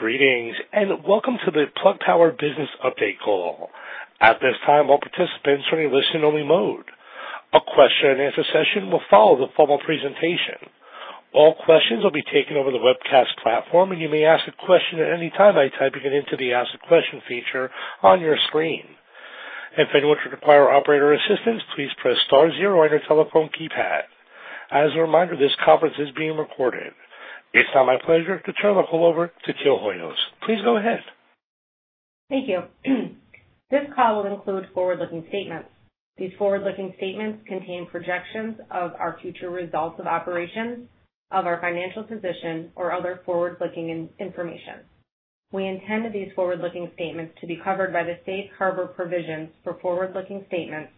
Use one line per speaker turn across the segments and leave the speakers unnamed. Greetings, and welcome to the Plug Power Business Update call. At this time, all participants are in listen-only mode. A question and answer session will follow the formal presentation. All questions will be taken over the webcast platform, and you may ask a question at any time by typing it into the Ask a Question feature on your screen. If anyone should require operator assistance, please press star zero on your telephone keypad. As a reminder, this conference is being recorded. It's now my pleasure to turn the call over to Teal Hoyos. Please go ahead.
Thank you. This call will include forward-looking statements. These forward-looking statements contain projections of our future results of operations, of our financial position, or other forward-looking information. We intend these forward-looking statements to be covered by the Safe Harbor Provisions for forward-looking statements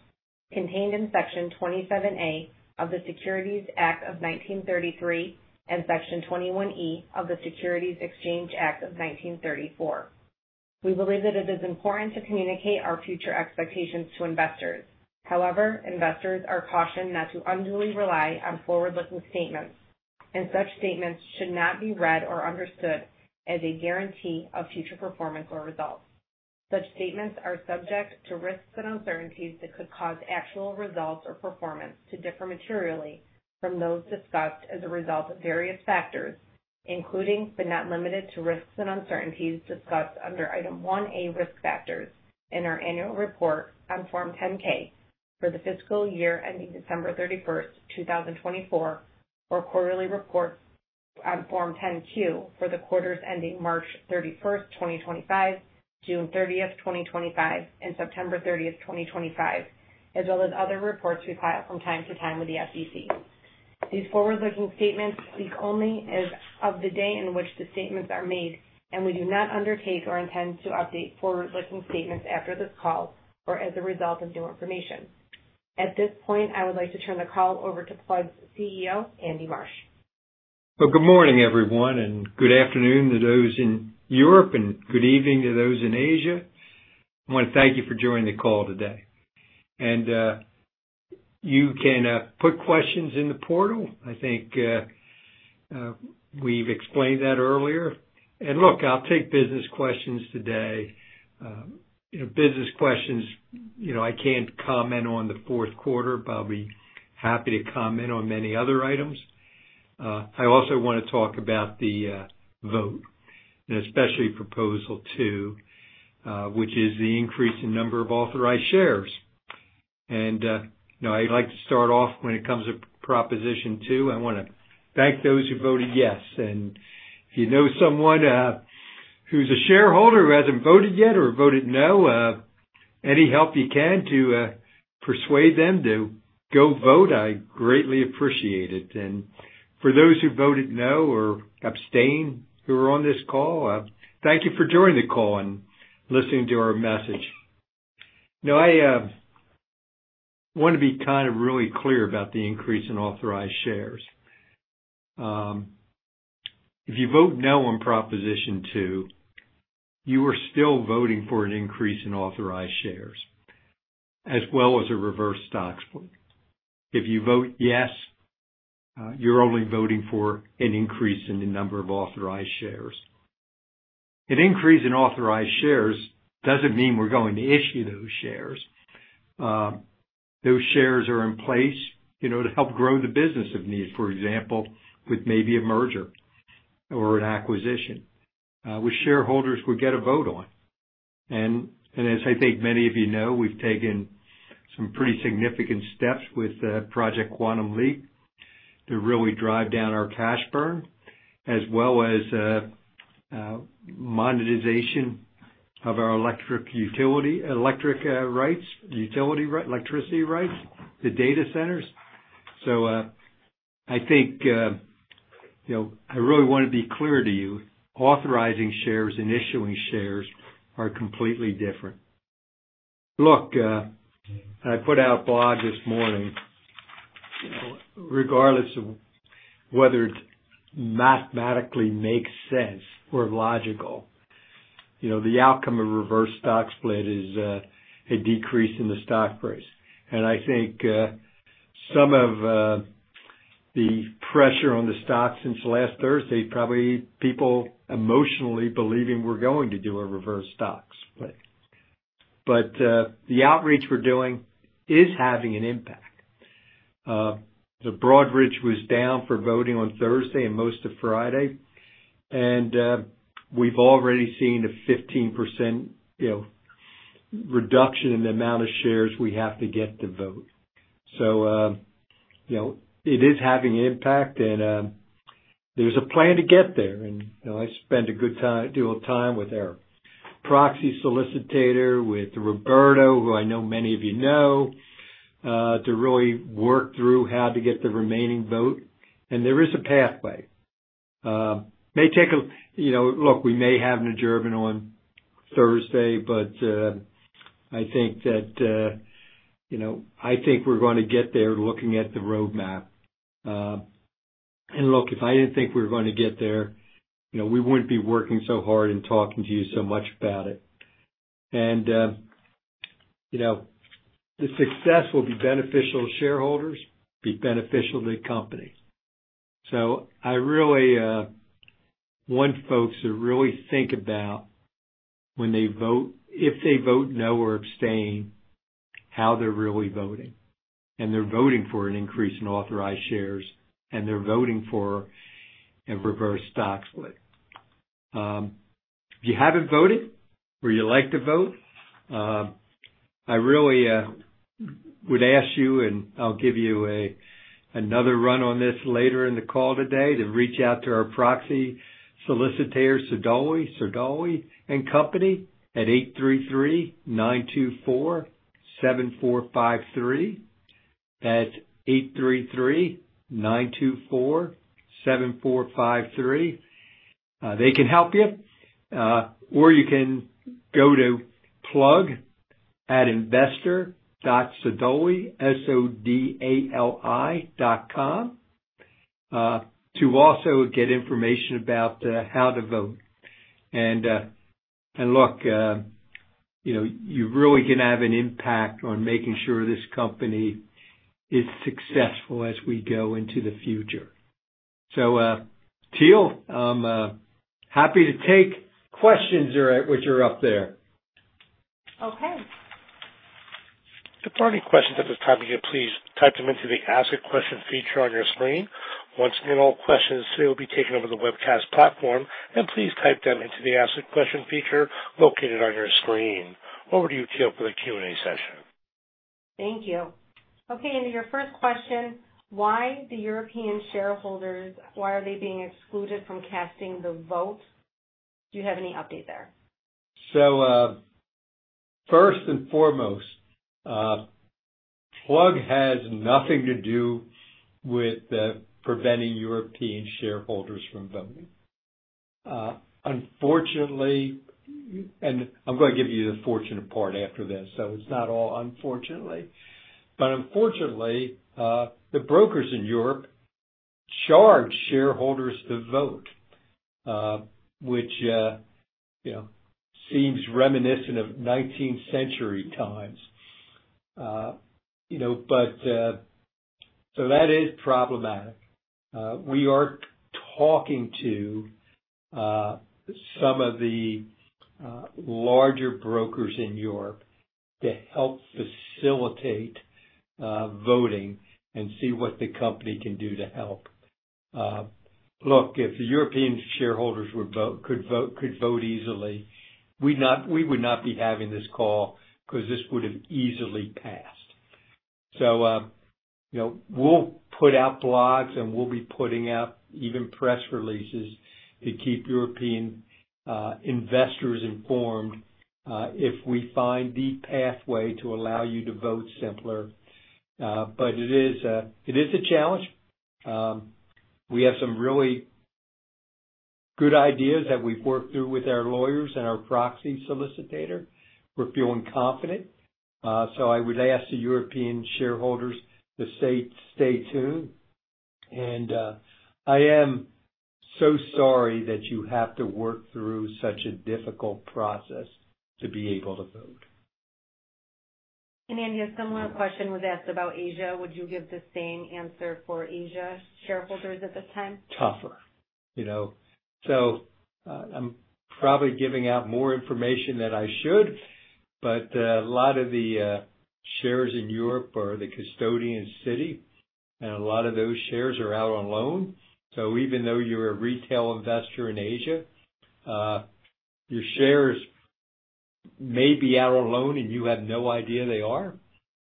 contained in Section 27A of the Securities Act of 1933 and Section 21E of the Securities Exchange Act of 1934. We believe that it is important to communicate our future expectations to investors. However, investors are cautioned not to unduly rely on forward-looking statements, and such statements should not be read or understood as a guarantee of future performance or results. Such statements are subject to risks and uncertainties that could cause actual results or performance to differ materially from those discussed as a result of various factors, including but not limited to, risks and uncertainties discussed under Item 1A, Risk Factors in our annual report on Form 10-K for the fiscal year ending December 31, 2024, or quarterly reports on Form 10-Q for the quarters ending March 31, 2025, June 30, 2025, and September 30, 2025, as well as other reports we file from time to time with the SEC. These forward-looking statements speak only as of the day in which the statements are made, and we do not undertake or intend to update forward-looking statements after this call or as a result of new information. At this point, I would like to turn the call over to Plug's CEO, Andy Marsh.
Well, good morning, everyone, and good afternoon to those in Europe, and good evening to those in Asia. I want to thank you for joining the call today. You can put questions in the portal. I think, we've explained that earlier. Look, I'll take business questions today. You know, business questions, you know, I can't comment on the fourth quarter, but I'll be happy to comment on many other items. I also want to talk about the vote, and especially Proposal 2, which is the increase in number of authorized shares. You know, I'd like to start off when it comes to Proposal 2. I want to thank those who voted yes. If you know someone who's a shareholder who hasn't voted yet or voted no, any help you can to persuade them to go vote, I greatly appreciate it. For those who voted no or abstain, who are on this call, thank you for joining the call and listening to our message. Now, I want to be kind of really clear about the increase in authorized shares. If you vote no on Proposition two, you are still voting for an increase in authorized shares as well as a Reverse Stock Split. If you vote yes, you're only voting for an increase in the number of authorized shares. An increase in authorized shares doesn't mean we're going to issue those shares. Those shares are in place, you know, to help grow the business if needed, for example, with maybe a merger or an acquisition, which shareholders would get a vote on. As I think many of you know, we've taken some pretty significant steps with Project Quantum Leap to really drive down our cash burn, as well as monetization of our electricity rights, the data centers. I think, you know, I really want to be clear to you, authorizing shares and issuing shares are completely different. Look, I put out a blog this morning. You know, regardless of whether it mathematically makes sense or logical, you know, the outcome of Reverse Stock Split is a decrease in the stock price. I think some of the pressure on the stock since last Thursday, probably people emotionally believing we're going to do a reverse stock split. But the outreach we're doing is having an impact. The Broadridge was down for voting on Thursday and most of Friday, and we've already seen a 15% reduction in the amount of shares we have to get to vote. So you know, it is having an impact and there's a plan to get there. And you know, I spent a deal of time with our proxy solicitor, with Roberto, who I know many of you know, to really work through how to get the remaining vote, and there is a pathway. May take a... You know, look, we may have Nejirban on Thursday, but, I think that, you know, I think we're going to get there looking at the roadmap. And look, if I didn't think we were going to get there, you know, we wouldn't be working so hard and talking to you so much about it. You know, the success will be beneficial to shareholders, be beneficial to the company. So I really want folks to really think about when they vote, if they vote no or abstain, how they're really voting. And they're voting for an increase in authorized shares, and they're voting for a reverse stock split. If you haven't voted or you'd like to vote, I really would ask you, and I'll give you another run on this later in the call today, to reach out to our proxy solicitor, Sodali & Company, at 833-924-7453. That's 833-924-7453. They can help you. Or you can go to plug@investor.sodali.com, S-O-D-A-L-I.com, to also get information about how to vote. And look, you know, you really can have an impact on making sure this company is successful as we go into the future. So, Teal, happy to take questions, which are up there.
Okay.
If there are any questions at this time, again, please type them into the ask a question feature on your screen. Once again, all questions today will be taken over the webcast platform, and please type them into the ask a question feature located on your screen. Over to you, Teal, for the Q&A session.
Thank you. Okay, and your first question: Why the European shareholders, why are they being excluded from casting the votes? Do you have any update there?
So, first and foremost, Plug has nothing to do with preventing European shareholders from voting. Unfortunately... And I'm gonna give you the fortunate part after this, so it's not all unfortunately. But unfortunately, the brokers in Europe charge shareholders to vote, which, you know, seems reminiscent of nineteenth-century times. You know, but, so that is problematic. We are talking to some of the larger brokers in Europe to help facilitate voting and see what the company can do to help. Look, if the European shareholders would vote- could vote, could vote easily, we'd not- we would not be having this call because this would have easily passed. So, you know, we'll put out blogs, and we'll be putting out even press releases to keep European investors informed if we find the pathway to allow you to vote simpler. But it is a challenge. We have some really good ideas that we've worked through with our lawyers and our proxy solicitor. We're feeling confident. So I would ask the European shareholders to stay, stay tuned, and I am so sorry that you have to work through such a difficult process to be able to vote.
Andy, a similar question was asked about Asia. Would you give the same answer for Asia shareholders at this time?
Tougher. You know, so, I'm probably giving out more information than I should, but, a lot of the shares in Europe are the custodian Citi, and a lot of those shares are out on loan. So even though you're a retail investor in Asia, your shares may be out on loan, and you have no idea they are.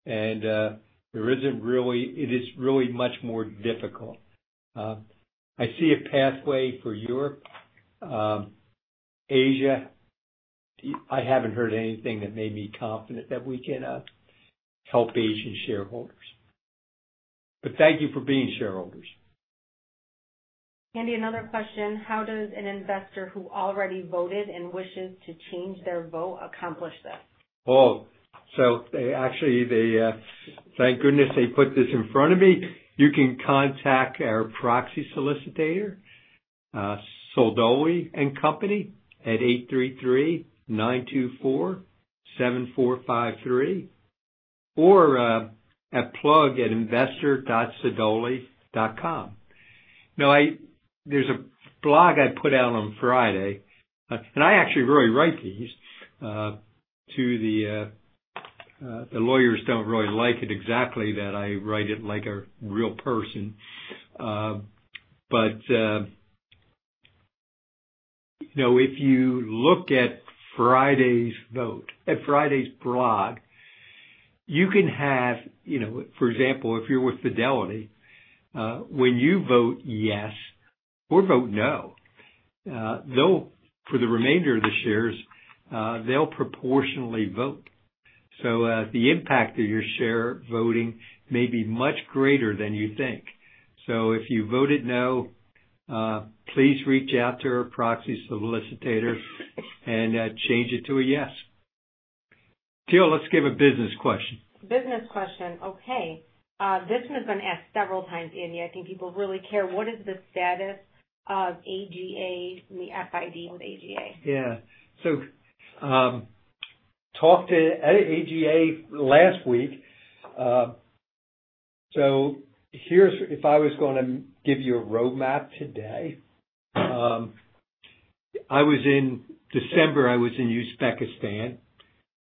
And, there isn't really... It is really much more difficult. I see a pathway for Europe. Asia, I haven't heard anything that made me confident that we can help Asian shareholders. But thank you for being shareholders.
Andy, another question: How does an investor who already voted and wishes to change their vote accomplish this?
Oh, so they actually thank goodness they put this in front of me. You can contact our proxy solicitor, Sodali & Company, at 833-924-7453, or at plug@investor.sodali.com. Now, there's a blog I put out on Friday, and I actually really write these to the... The lawyers don't really like it exactly that I write it like a real person. But, you know, if you look at Friday's vote, at Friday's blog, you can have, you know, for example, if you're with Fidelity, when you vote yes or vote no, they'll, for the remainder of the shares, they'll proportionally vote. So, the impact of your share voting may be much greater than you think. So if you voted no, please reach out to our proxy solicitor and change it to a yes. Teal, let's give a business question....
business question. Okay, this one has been asked several times, Andy. I think people really care. What is the status of AGA and the FID with AGA?
Yeah. So, talked to at AGA last week. So here's... If I was gonna give you a roadmap today, in December, I was in Uzbekistan,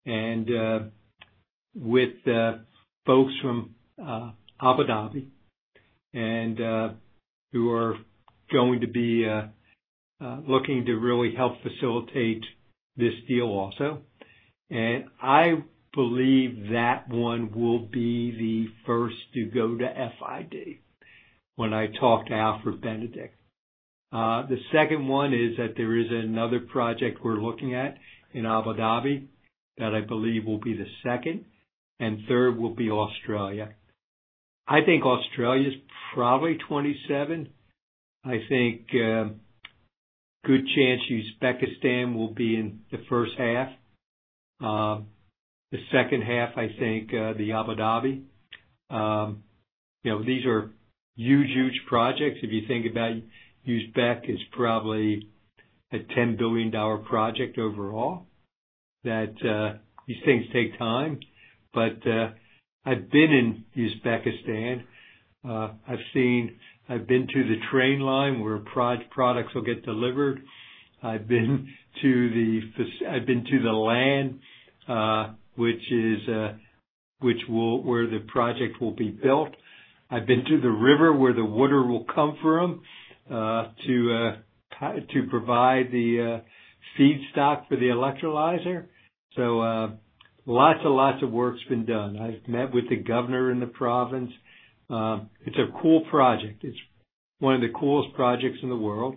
and with folks from Abu Dhabi, and who are going to be looking to really help facilitate this deal also. And I believe that one will be the first to go to FID, when I talked to Alfred Benedict. The second one is that there is another project we're looking at in Abu Dhabi, that I believe will be the second, and third will be Australia. I think Australia's probably 2027. I think good chance Uzbekistan will be in the first half. The second half, I think the Abu Dhabi. You know, these are huge, huge projects. If you think about Uzbekistan, it's probably a $10 billion project overall, that these things take time. But, I've been in Uzbekistan. I've seen—I've been to the train line, where products will get delivered. I've been to the—I've been to the land, which is, which will—where the project will be built. I've been to the river, where the water will come from, to provide the feedstock for the electrolyzer. So, lots and lots of work's been done. I've met with the governor in the province. It's a cool project. It's one of the coolest projects in the world,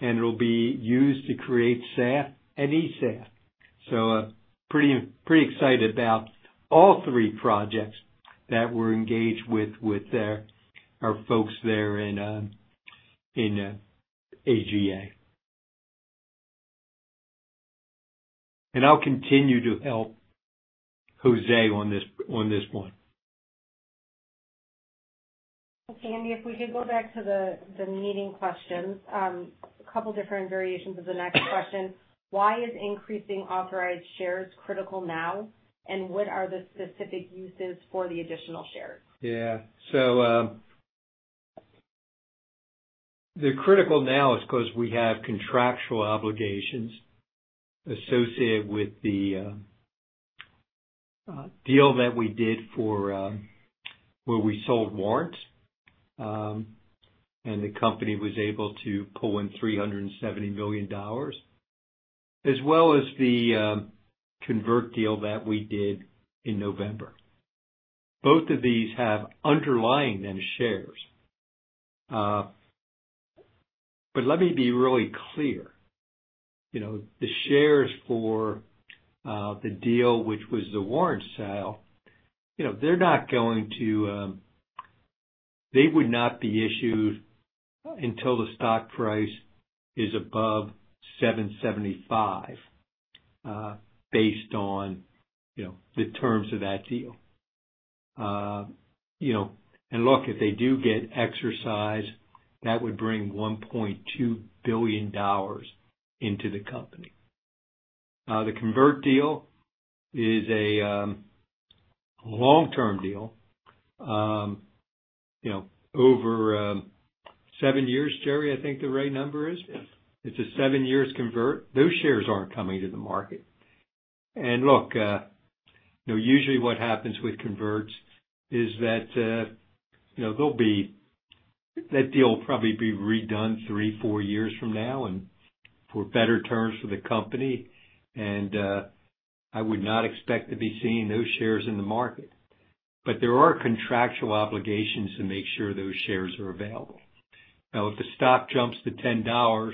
and it'll be used to create SAF and eSAF. So, pretty, pretty excited about all three projects that we're engaged with, with their, our folks there in, in AGA. I'll continue to help Jose on this, on this one.
Okay, Andy, if we could go back to the meeting questions. A couple different variations of the next question: Why is increasing authorized shares critical now, and what are the specific uses for the additional shares?
Yeah. So, they're critical now is 'cause we have contractual obligations associated with the deal that we did for where we sold warrants, and the company was able to pull in $370 million, as well as the convert deal that we did in November. Both of these have underlying end shares. But let me be really clear, you know, the shares for the deal, which was the warrant sale, you know, they're not going to... They would not be issued until the stock price is above $7.75, based on, you know, the terms of that deal. You know, and look, if they do get exercised, that would bring $1.2 billion into the company. The convert deal is a long-term deal, you know, over seven years, Jerry, I think the right number is? Yes. It's a seven years convert. Those shares aren't coming to the market. And look, you know, usually what happens with converts is that, you know, that deal will probably be redone three, four years from now and for better terms for the company, and, I would not expect to be seeing those shares in the market. But there are contractual obligations to make sure those shares are available. Now, if the stock jumps to $10,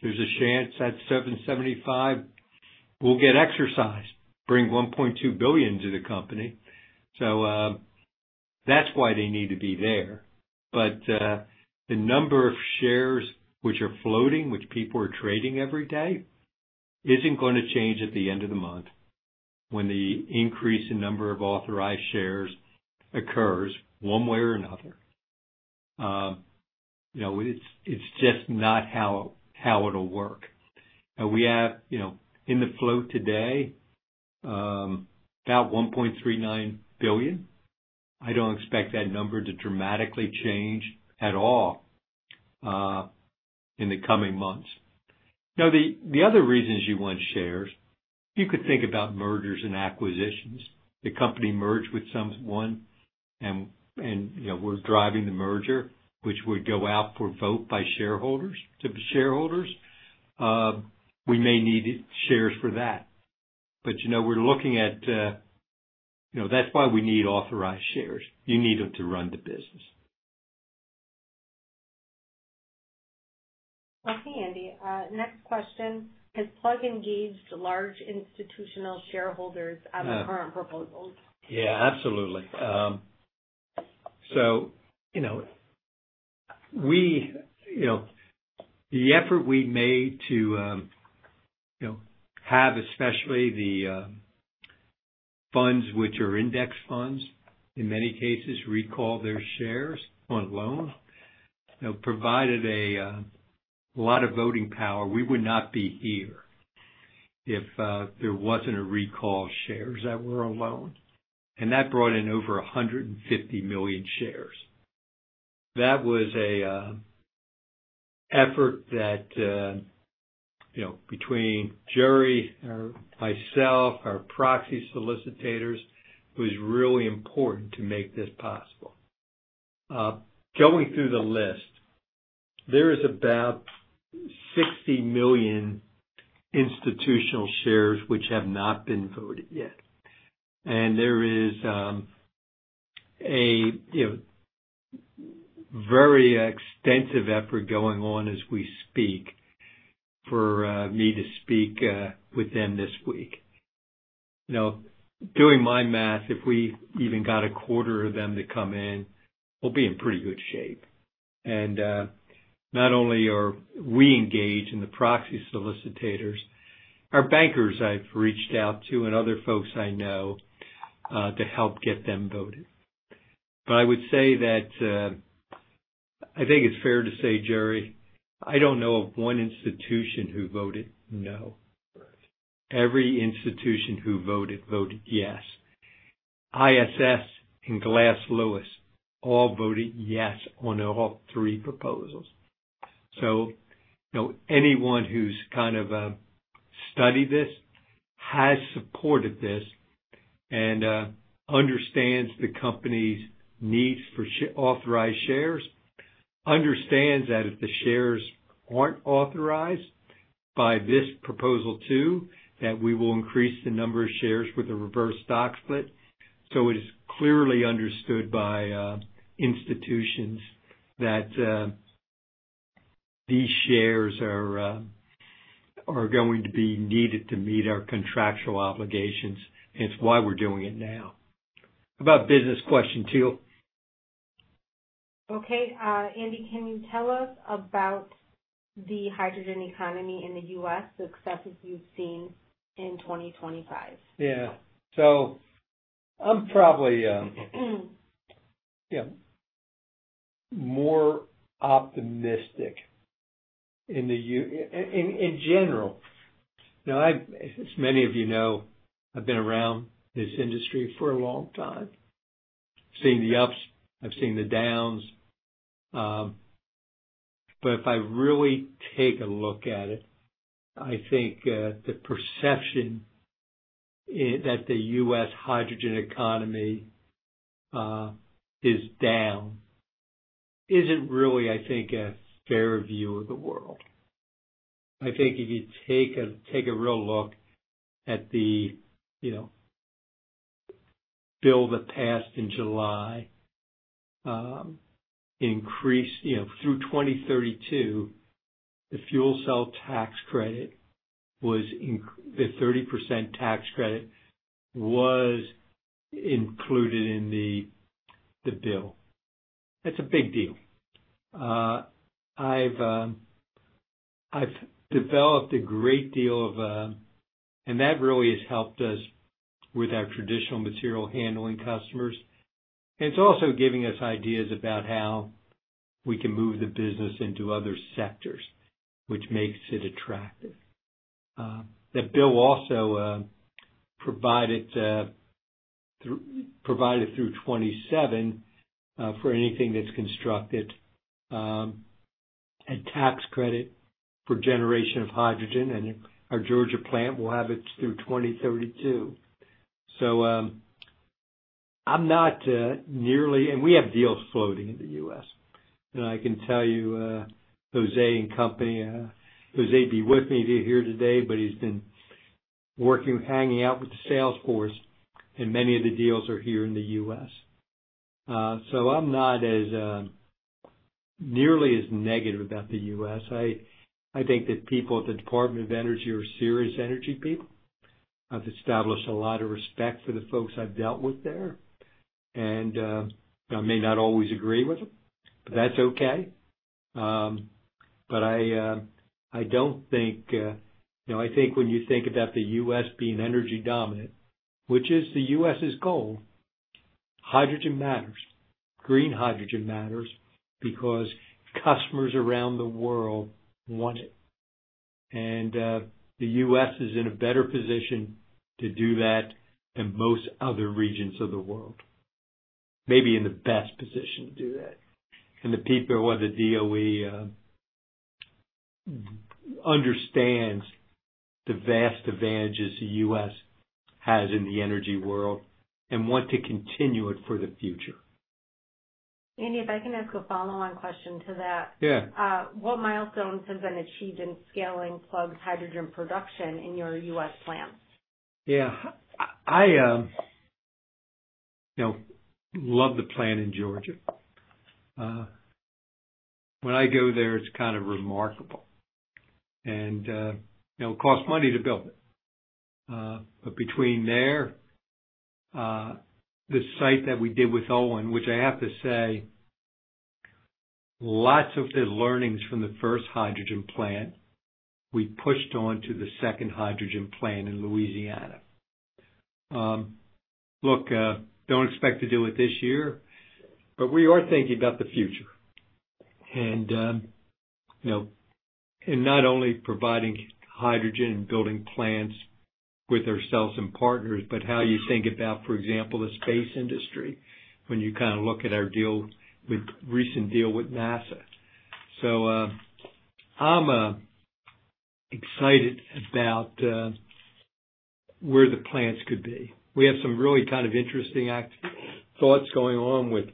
there's a chance that $7.75 will get exercised, bring $1.2 billion to the company. So, that's why they need to be there. But, the number of shares which are floating, which people are trading every day, isn't going to change at the end of the month, when the increase in number of authorized shares occurs one way or another. You know, it's just not how it'll work. We have, you know, in the float today, about 1.39 billion. I don't expect that number to dramatically change at all, in the coming months. Now, the other reasons you want shares, you could think about mergers and acquisitions. The company merged with someone and, you know, we're driving the merger, which would go out for vote by shareholders, to the shareholders. We may need shares for that. But, you know, we're looking at... You know, that's why we need authorized shares. You need them to run the business.
Okay, Andy, next question: Has Plug engaged large institutional shareholders-
Yeah.
-on the current proposals?
Yeah, absolutely. So, you know, we, you know, the effort we made to, you know, have, especially the, funds which are index funds, in many cases, recall their shares on loan, you know, provided a, a lot of voting power. We would not be here if there wasn't a recall shares that were on loan, and that brought in over 150 million shares. That was a, effort that, you know, between Jerry, myself, our proxy solicitors, was really important to make this possible. Going through the list, there is about 60 million institutional shares which have not been voted yet, and there is, a, you know, very extensive effort going on as we speak for, me to speak, with them this week. You know, doing my math, if we even got a quarter of them to come in, we'll be in pretty good shape. And, not only are we engaged and the proxy solicitors, our bankers I've reached out to and other folks I know, to help get them voted. But I would say that, I think it's fair to say, Jerry, I don't know of one institution who voted no.
Right.
Every institution who voted, voted yes. ISS and Glass Lewis all voted yes on all three proposals. So, you know, anyone who's kind of studied this, has supported this, and understands the company's needs for authorized shares, understands that if the shares aren't authorized by this proposal two, that we will increase the number of shares with a reverse stock split. So it is clearly understood by institutions that these shares are going to be needed to meet our contractual obligations, and it's why we're doing it now. How about a business question, too?
Okay. Andy, can you tell us about the hydrogen economy in the U.S., the success that you've seen in 2025?
Yeah. So I'm probably, yeah, more optimistic in general. Now, as many of you know, I've been around this industry for a long time. I've seen the ups, I've seen the downs, but if I really take a look at it, I think the perception that the U.S. hydrogen economy is down isn't really, I think, a fair view of the world. I think if you take a real look at the, you know, bill that passed in July. You know, through 2032, the fuel cell tax credit was the 30% tax credit was included in the bill. That's a big deal. I've developed a great deal of... And that really has helped us with our traditional material handling customers. It's also giving us ideas about how we can move the business into other sectors, which makes it attractive. That bill also provided through 2027 for anything that's constructed a tax credit for generation of hydrogen, and our Georgia plant will have it through 2032. So, I'm not nearly and we have deals floating in the U.S., and I can tell you, Jose and company, Jose'd be with me here today, but he's been working, hanging out with the sales force, and many of the deals are here in the U.S. So I'm not as nearly as negative about the U.S. I think that people at the Department of Energy are serious energy people. I've established a lot of respect for the folks I've dealt with there, and I may not always agree with them, but that's okay. But I don't think, you know, I think when you think about the U.S. being energy dominant, which is the U.S.'s goal, hydrogen matters. Green hydrogen matters because customers around the world want it, and the U.S. is in a better position to do that than most other regions of the world. Maybe in the best position to do that. And the people or the DOE understands the vast advantages the U.S. has in the energy world and want to continue it for the future.
Andy, if I can ask a follow-on question to that?
Yeah.
What milestones have been achieved in scaling Plug's hydrogen production in your U.S. plants?
Yeah. I, you know, love the plant in Georgia. When I go there, it's kind of remarkable. And, you know, it cost money to build it. But between there, the site that we did with Olin, which I have to say, lots of the learnings from the first hydrogen plant, we pushed on to the second hydrogen plant in Louisiana. Look, don't expect to do it this year, but we are thinking about the future. And, you know, and not only providing hydrogen and building plants with ourselves and partners, but how you think about, for example, the space industry, when you kind of look at our recent deal with NASA. So, I'm, excited about, where the plants could be. We have some really kind of interesting actual thoughts going on with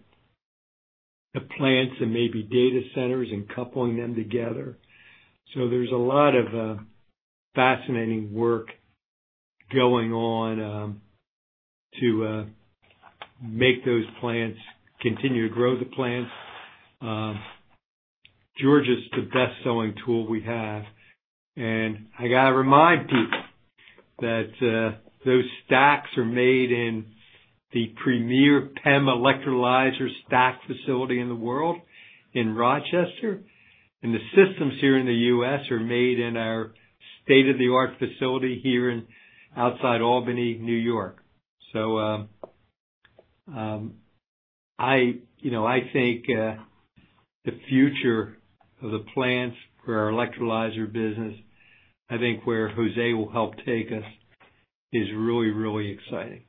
the plants and maybe data centers and coupling them together. So there's a lot of fascinating work going on to make those plants continue to grow the plants. GenEco is the best-selling tool we have, and I got to remind people that those stacks are made in the premier PEM electrolyzer stack facility in the world, in Rochester. And the systems here in the U.S. are made in our state-of-the-art facility here outside Albany, New York. So, you know, I think the future of the plants for our electrolyzer business, I think where Jose will help take us is really, really exciting.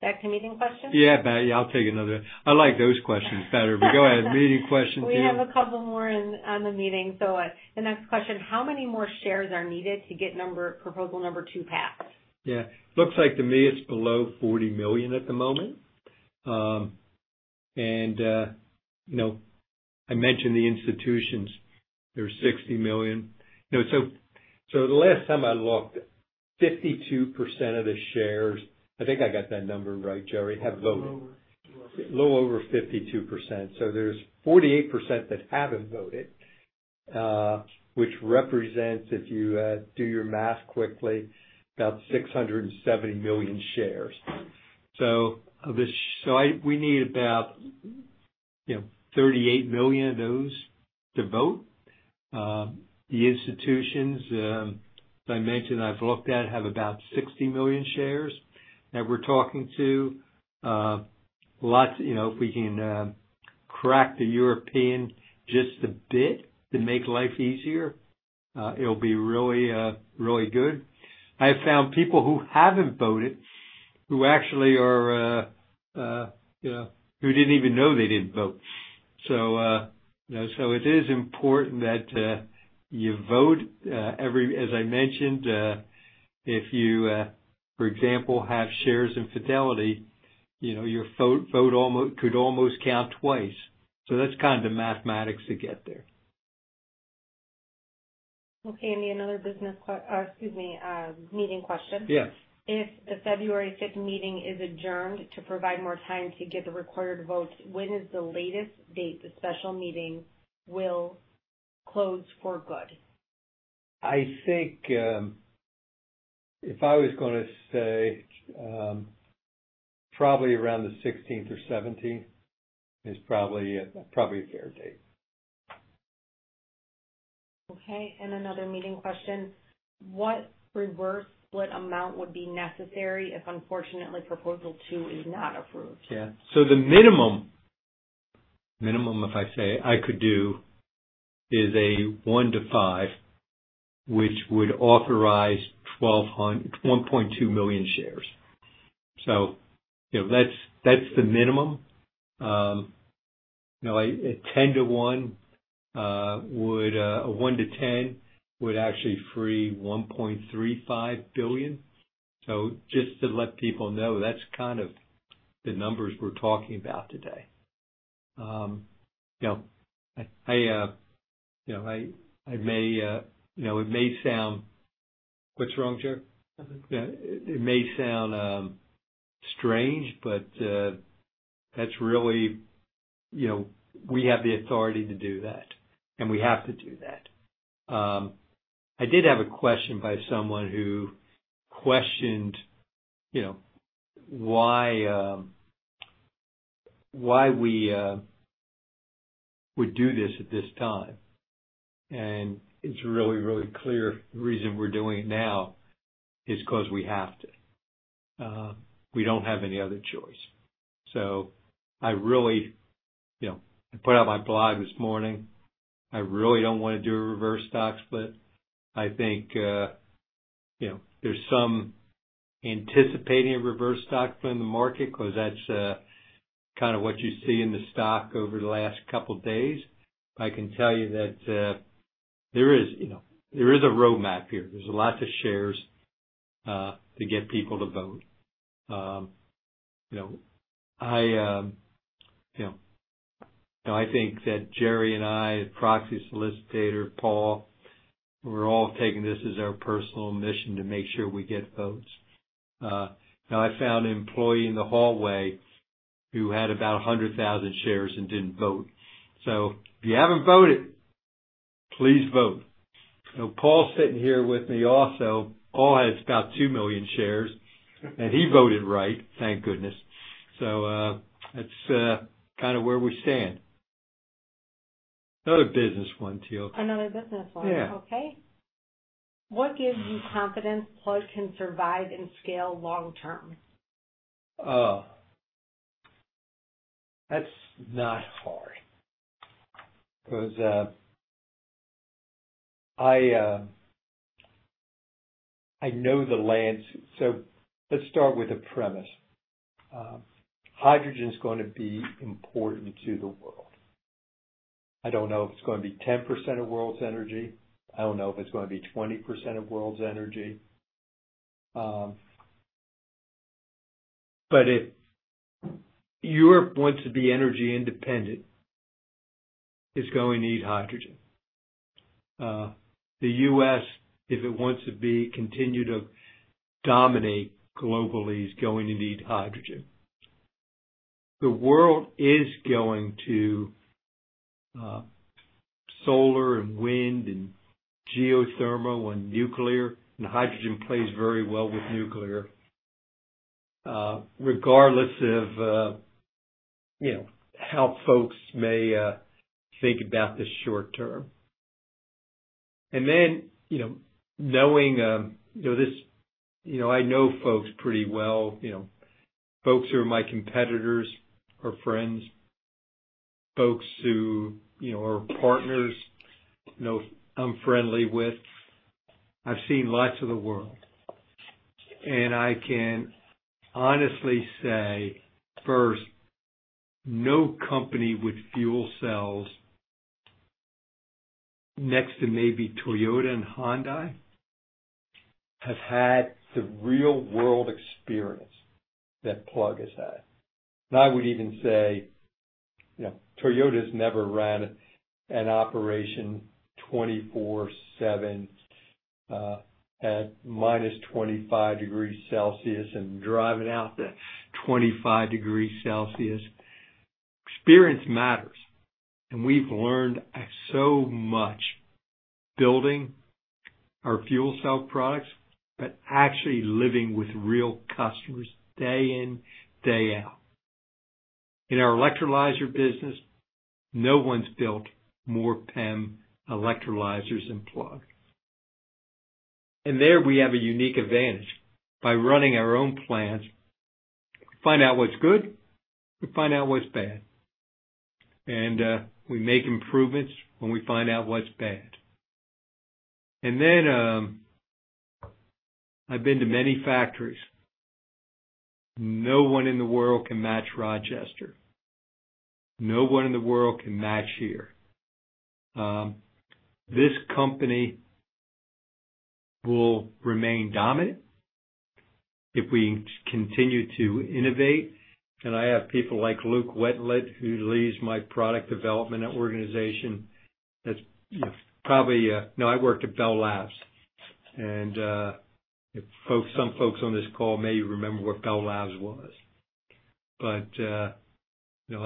Back to meeting questions?
Yeah, Patty, I'll take another. I like those questions better, but go ahead. Meeting questions too.
We have a couple more in on the meeting, so, the next question: How many more shares are needed to get number two proposal passed?
Yeah. Looks like to me it's below 40 million at the moment. And, you know, I mentioned the institutions, there are 60 million. You know, so, so the last time I looked, 52% of the shares, I think I got that number right, Jerry, have voted. Little over 52. Little over 52%. So there's 48% that haven't voted, which represents, if you do your math quickly, about 670 million shares. So we need about, you know, 38 million of those to vote. The institutions, as I mentioned, I've looked at, have about 60 million shares that we're talking to. You know, if we can crack the European just a bit to make life easier, it'll be really, really good. I have found people who haven't voted, who actually are, you know, who didn't even know they didn't vote. So, you know, so it is important that, you vote, every... As I mentioned, if you, for example, have shares in Fidelity, you know, your vote, vote almost- could almost count twice. So that's kind of the mathematics to get there.
Okay, I need another business. Excuse me, meeting question.
Yes.
If the February fifth meeting is adjourned to provide more time to get the required votes, when is the latest date the special meeting will close for good?
I think, if I was gonna say, probably around the sixteenth or seventeenth is probably a, probably a fair date.
Okay, and another meeting question: What reverse split amount would be necessary if, unfortunately, proposal 2 is not approved?
Yeah. So the minimum, if I say I could do, is a 1-5, which would authorize 1.2 million shares. So you know, that's, that's the minimum. You know, a 10-1 would, a 1-10 would actually free 1.35 billion. So just to let people know, that's kind of the numbers we're talking about today. You know, I, you know, I, I may, you know, it may sound... What's wrong, Jerry? Nothing. Yeah. It, it may sound strange, but, that's really... You know, we have the authority to do that, and we have to do that. I did have a question by someone who questioned, you know, why, why we would do this at this time. And it's really, really clear. The reason we're doing it now is 'cause we have to. We don't have any other choice. So I really, you know, I put out my blog this morning. I really don't want to do a reverse stock split. I think, you know, there's some anticipating a reverse stock split in the market, 'cause that's kind of what you see in the stock over the last couple days. I can tell you that, there is, you know, there is a roadmap here. There's lots of shares to get people to vote. You know, I, you know... I think that Jerry and I, and proxy solicitor, Paul-... We're all taking this as our personal mission to make sure we get votes. Now, I found an employee in the hallway who had about 100,000 shares and didn't vote. So if you haven't voted, please vote. So Paul's sitting here with me also. Paul has about 2 million shares, and he voted right, thank goodness. So, that's kind of where we stand. Another business one, too.
Another business one?
Yeah.
Okay. What gives you confidence Plug can survive and scale long term?
Oh, that's not hard. Because, I, I know the landscape. So let's start with a premise. Hydrogen is going to be important to the world. I don't know if it's going to be 10% of world's energy. I don't know if it's going to be 20% of world's energy. But if Europe wants to be energy independent, it's going to need hydrogen. The U.S., if it wants to continue to dominate globally, is going to need hydrogen. The world is going to solar and wind and geothermal and nuclear, and hydrogen plays very well with nuclear, regardless of, you know, how folks may think about this short term. And then, you know, knowing, you know, you know, I know folks pretty well, you know. Folks who are my competitors or friends, folks who, you know, are partners, you know, I'm friendly with. I've seen lots of the world, and I can honestly say, first, no company with fuel cells, next to maybe Toyota and Hyundai, have had the real-world experience that Plug has had. And I would even say, you know, Toyota's never ran an operation 24/7 at minus 25 degrees Celsius and driving out the 25 degrees Celsius. Experience matters, and we've learned so much building our fuel cell products, but actually living with real customers day in, day out. In our electrolyzer business, no one's built more PEM electrolyzers than Plug. And there, we have a unique advantage. By running our own plants, we find out what's good, we find out what's bad, and we make improvements when we find out what's bad. And then, I've been to many factories. No one in the world can match Rochester. No one in the world can match here. This company will remain dominant if we continue to innovate. And I have people like Luke Wetzel, who leads my product development organization, that's, you know, probably. You know, I worked at Bell Labs, and, folks, some folks on this call may remember what Bell Labs was. But, you know,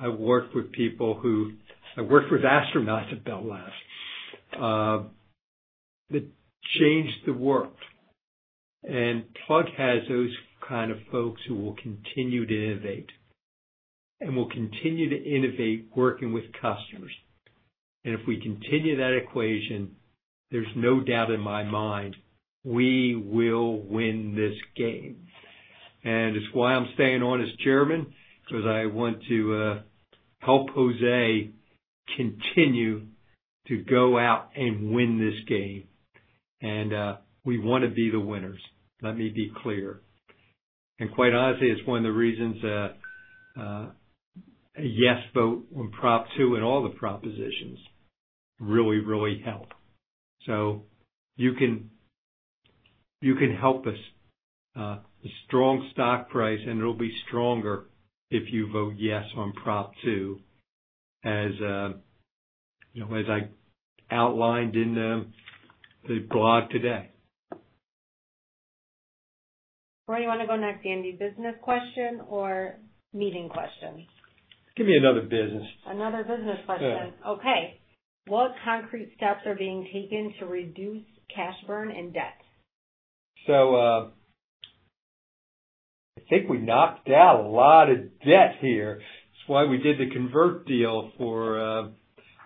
I've worked with people who I worked with astronauts at Bell Labs that changed the world. And Plug has those kind of folks who will continue to innovate and will continue to innovate working with customers. And if we continue that equation, there's no doubt in my mind we will win this game. And it's why I'm staying on as chairman, because I want to help Jose continue to go out and win this game. And we want to be the winners, let me be clear. And quite honestly, it's one of the reasons that a yes vote on Prop Two and all the propositions really, really help. So you can, you can help us. A strong stock price, and it'll be stronger if you vote yes on Prop Two, as you know, as I outlined in the blog today.
Where do you want to go next, Andy? Business question or meeting question?
Give me another business.
Another business question.
Yeah.
Okay. What concrete steps are being taken to reduce cash burn and debt?
So, I think we knocked down a lot of debt here. That's why we did the convert deal for,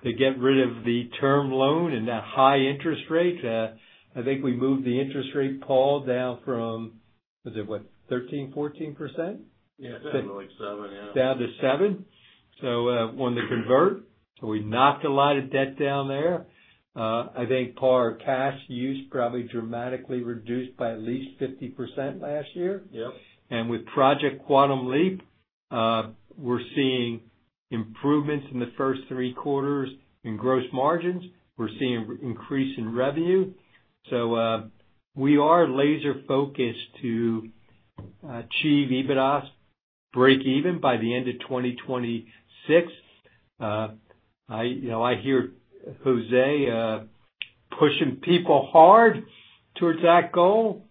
to get rid of the term loan and that high interest rate. I think we moved the interest rate, Paul, down from, was it, what? 13%-14%?
Yeah, down to, like, 7, yeah.
Down to 7. So, on the convert, so we knocked a lot of debt down there. I think, Paul, our cash use probably dramatically reduced by at least 50% last year.
Yep.
And with Project Quantum Leap, we're seeing improvements in the first three quarters in gross margins. We're seeing increase in revenue. So, we are laser focused to achieve EBITDA break even by the end of 2026. I, you know, I hear Jose pushing people hard towards that goal,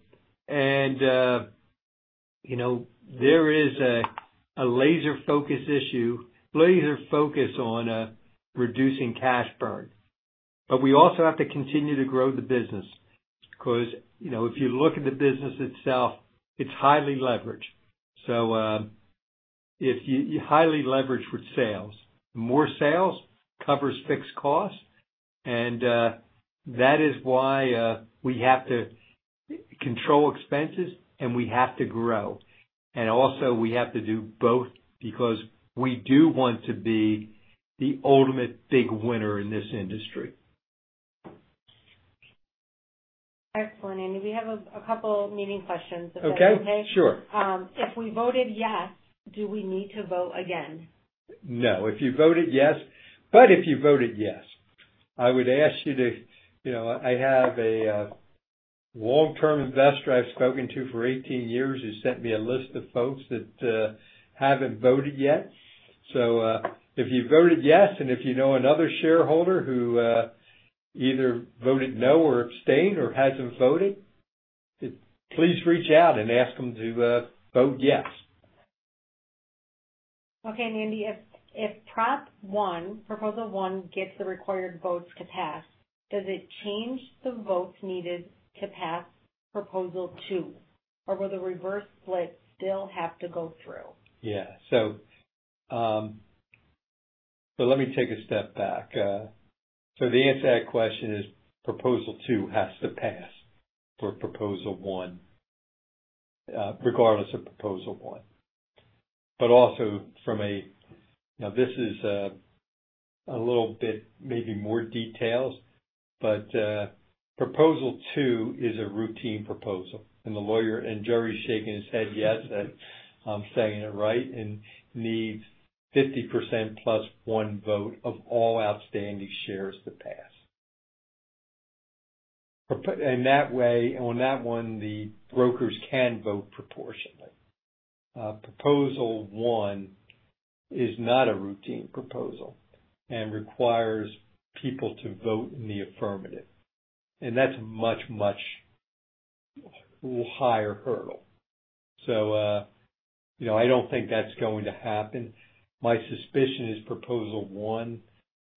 and, you know, there is a, a laser focus issue, laser focus on reducing cash burn. But we also have to continue to grow the business because, you know, if you look at the business itself, it's highly leveraged. So, if you-- you highly leverage with sales. More sales covers fixed costs, and, that is why, we have to control expenses, and we have to grow. And also we have to do both because we do want to be the ultimate big winner in this industry.
Excellent, Andy. We have a couple meeting questions.
Okay.
Is that okay?
Sure.
If we voted yes, do we need to vote again?
No. If you voted yes... But if you voted yes, I would ask you to, you know, I have a long-term investor I've spoken to for 18 years, who sent me a list of folks that haven't voted yet. So, if you voted yes, and if you know another shareholder who either voted no or abstained or hasn't voted, please reach out and ask them to vote yes.
Okay, Andy, if prop one, proposal one, gets the required votes to pass, does it change the votes needed to pass proposal two, or will the reverse split still have to go through?
Yeah. So, so let me take a step back. So the answer to that question is proposal two has to pass for proposal one, regardless of proposal one. But also from a... Now, this is, a little bit, maybe more details, but, proposal two is a routine proposal, and the lawyer, and Jerry's shaking his head yes, that I'm saying it right, and needs 50% +1 vote of all outstanding shares to pass. In that way, on that one, the brokers can vote proportionately. Proposal one is not a routine proposal and requires people to vote in the affirmative, and that's a much, much higher hurdle. So, you know, I don't think that's going to happen. My suspicion is proposal one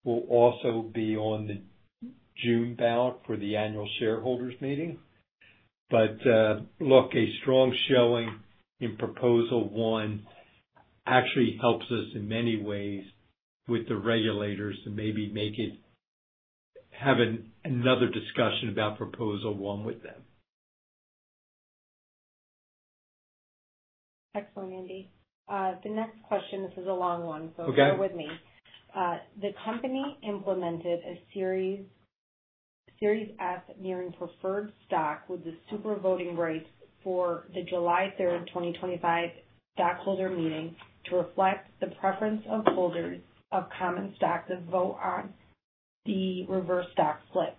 will also be on the June ballot for the annual shareholders meeting. Look, a strong showing in proposal one actually helps us in many ways with the regulators to maybe make it have another discussion about proposal one with them.
Excellent, Andy. The next question, this is a long one-
Okay.
So bear with me. The company implemented a Series Senior preferred stock with the super voting rights for the July 3, 2025, stockholder meeting to reflect the preference of holders of common stock to vote on the reverse stock split.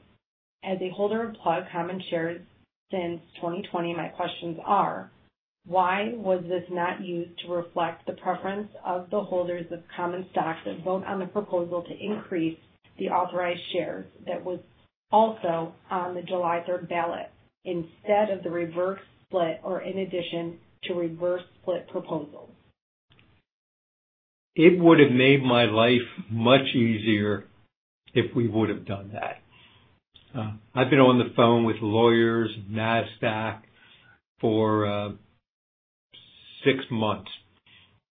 As a holder of Plug common shares since 2020, my questions are: Why was this not used to reflect the preference of the holders of common stock to vote on the proposal to increase the authorized shares that was also on the July 3 ballot, instead of the reverse stock split, or in addition to reverse stock split proposals?
It would have made my life much easier if we would've done that. I've been on the phone with lawyers, Nasdaq, for six months.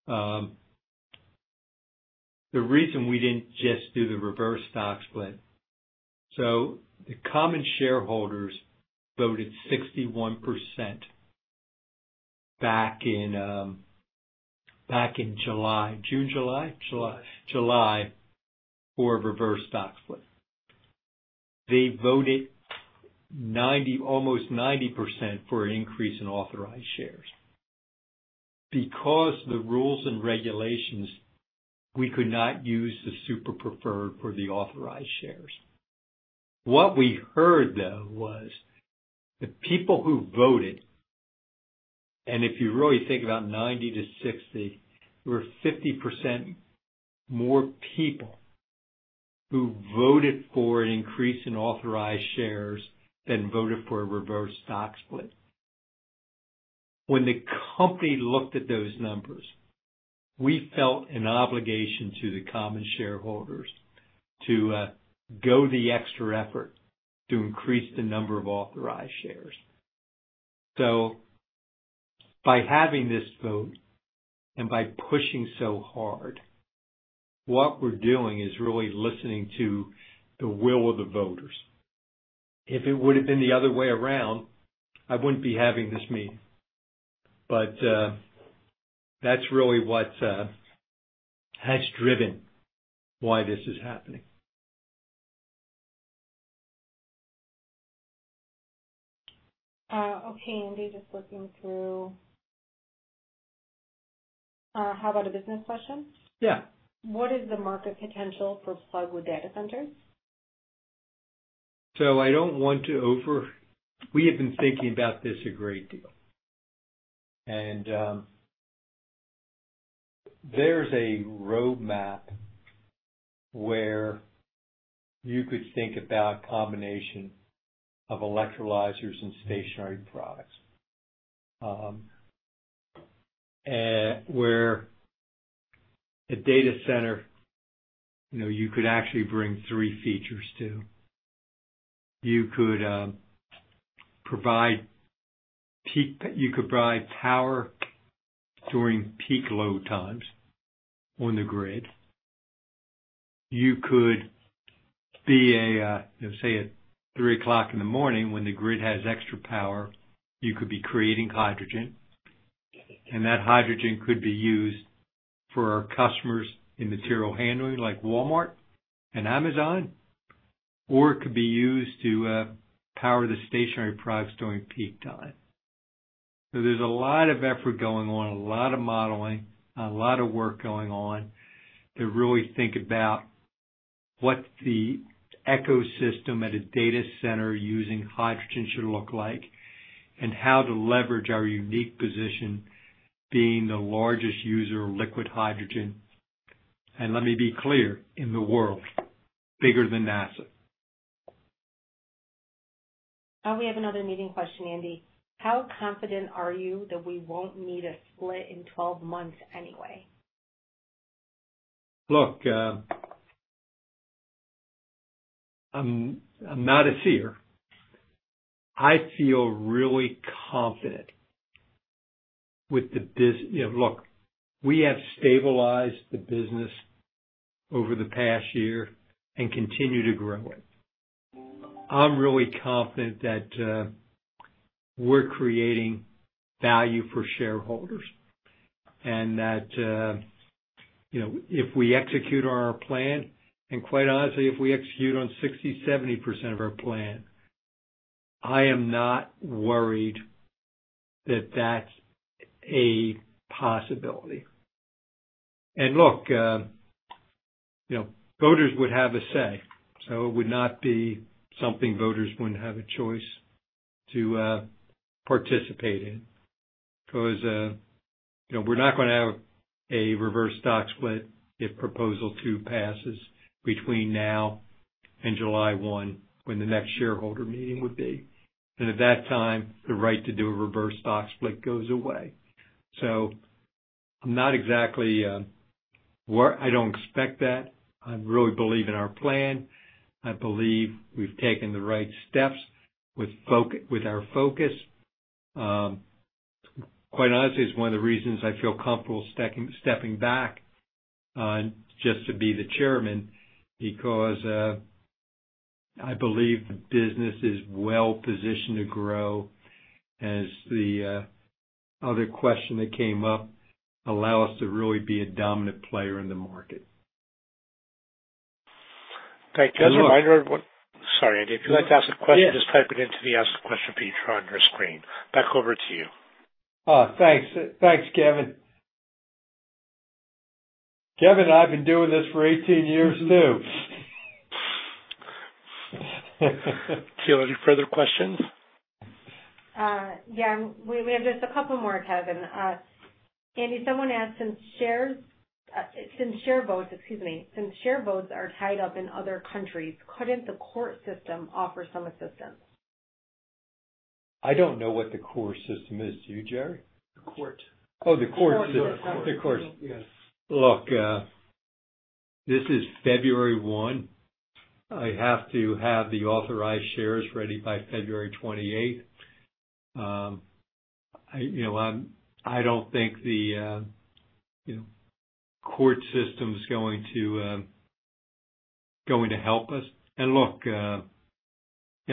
The reason we didn't just do the reverse stock split... So the common shareholders voted 61% back in July. June, July? July. July, for a reverse stock split. They voted 90, almost 90% for an increase in authorized shares. Because the rules and regulations, we could not use the super preferred for the authorized shares. What we heard, though, was the people who voted, and if you really think about 90-60, were 50% more people who voted for an increase in authorized shares than voted for a reverse stock split. When the company looked at those numbers, we felt an obligation to the common shareholders to go the extra effort to increase the number of authorized shares. So by having this vote and by pushing so hard, what we're doing is really listening to the will of the voters. If it would've been the other way around, I wouldn't be having this meeting. But that's really what has driven why this is happening.
Okay, Andy, just looking through. How about a business question?
Yeah.
What is the market potential for Plug with data centers?...
So we have been thinking about this a great deal, and there's a roadmap where you could think about a combination of electrolyzers and stationary products. Where a data center, you know, you could actually bring three features to. You could provide power during peak load times on the grid. You could be a, say, at 3:00 A.M., when the grid has extra power, you could be creating hydrogen, and that hydrogen could be used for our customers in material handling, like Walmart and Amazon, or it could be used to power the stationary products during peak time. There's a lot of effort going on, a lot of modeling, a lot of work going on to really think about what the ecosystem at a data center using hydrogen should look like, and how to leverage our unique position, being the largest user of liquid hydrogen, and let me be clear, in the world, bigger than NASA.
Oh, we have another meeting question, Andy: How confident are you that we won't need a split in 12 months anyway?
Look, I'm not a seer. I feel really confident with the business. You know, look, we have stabilized the business over the past year and continue to grow it. I'm really confident that we're creating value for shareholders and that, you know, if we execute on our plan, and quite honestly, if we execute on 60%-70% of our plan, I am not worried that that's a possibility. And look, you know, voters would have a say, so it would not be something voters wouldn't have a choice to participate in. Because, you know, we're not gonna have a reverse stock split if Proposal 2 passes between now and July 1, when the next shareholder meeting would be. And at that time, the right to do a reverse stock split goes away. So I'm not exactly... worried. I don't expect that. I really believe in our plan. I believe we've taken the right steps with our focus. Quite honestly, it's one of the reasons I feel comfortable stepping back, just to be the Chairman, because I believe the business is well positioned to grow, as the other question that came up, allow us to really be a dominant player in the market.
Okay. Just a reminder.
And look-
Sorry, Andy. If you'd like to ask a question-
Yeah.
Just type it into the Ask a Question feature on your screen. Back over to you.
Oh, thanks. Thanks, Kevin. Kevin, I've been doing this for 18 years, too.
Do you have any further questions?
Yeah, we have just a couple more, Kevin. Andy, someone asked, since share votes are tied up in other countries, couldn't the court system offer some assistance?
I don't know what the court system is. Do you, Jerry? The court. Oh, the court system.
The court.
The court. Yes. Look, this is February 1. I have to have the authorized shares ready by February 28. You know, I don't think the court system's going to help us. And look, you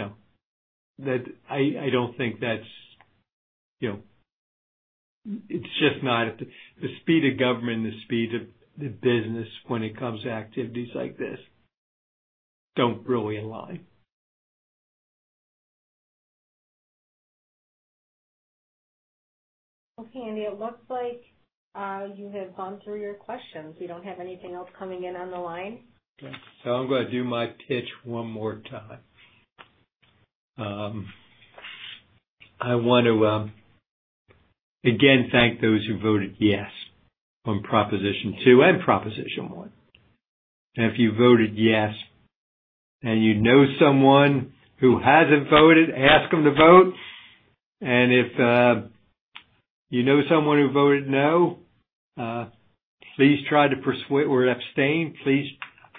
know, I don't think that's... It's just not at the speed of government and the speed of the business when it comes to activities like this, don't really align.
Okay, Andy, it looks like you have gone through your questions. We don't have anything else coming in on the line.
So I'm gonna do my pitch one more time. I want to again thank those who voted yes on Proposal Two and Proposal One. And if you voted yes and you know someone who hasn't voted, ask them to vote. And if you know someone who voted no, please try to persuade—or abstain, please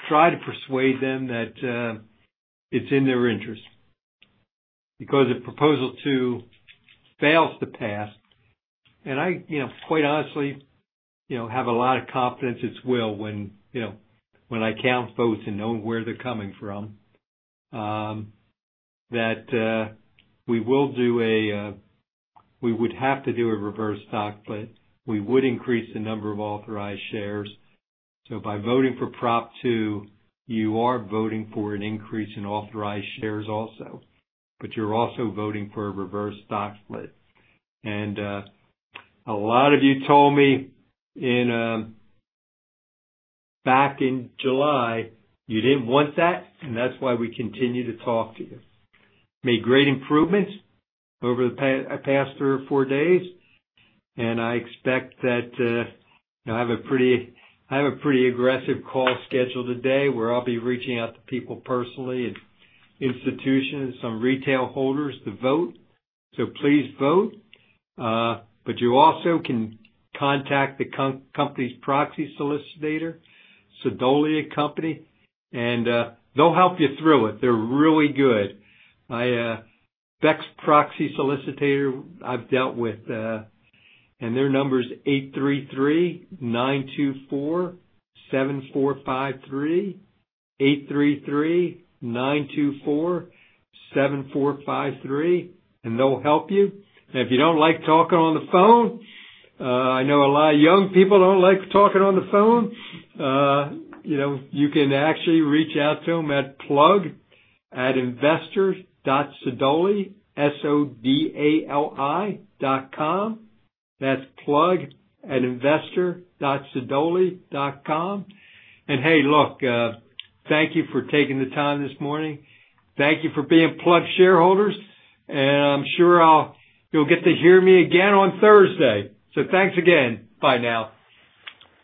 try to persuade them that it's in their interest. Because if Proposal Two fails to pass, and I, you know, quite honestly, you know, have a lot of confidence it will, when, you know, when I count votes and know where they're coming from, that we would have to do a reverse stock split. We would increase the number of authorized shares. So by voting for Prop two, you are voting for an increase in authorized shares also, but you're also voting for a reverse stock split. A lot of you told me back in July, you didn't want that, and that's why we continue to talk to you. Made great improvements over the past three or four days, and I expect that I have a pretty aggressive call scheduled today, where I'll be reaching out to people personally and institutions, some retail holders to vote. So please vote. But you also can contact the company's proxy solicitor, Sodali Company, and they'll help you through it. They're really good. I best proxy solicitor I've dealt with, and their number is 833-924-7453. 833-924-7453, and they'll help you. If you don't like talking on the phone, I know a lot of young people don't like talking on the phone, you know, you can actually reach out to them at plug@investor.sodali, S-O-D-A-L-I, dot com. That's plug@investor.sodali.com. Hey, look, thank you for taking the time this morning. Thank you for being Plug shareholders, and I'm sure I'll-- you'll get to hear me again on Thursday. Thanks again. Bye now.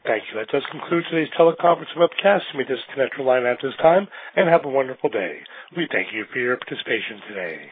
Thank you. That does conclude today's teleconference and webcast. You may disconnect your line at this time, and have a wonderful day. We thank you for your participation today.